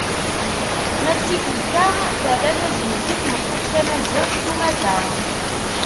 Ma d tikelt-a terra tajmilt i tmeṭṭut tamaziɣt s umata.